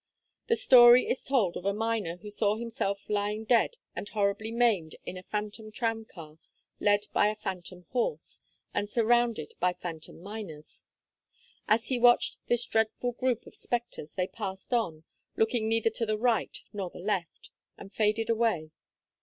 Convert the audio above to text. The story is told of a miner who saw himself lying dead and horribly maimed in a phantom tram car, led by a phantom horse, and surrounded by phantom miners. As he watched this dreadful group of spectres they passed on, looking neither to the right nor the left, and faded away.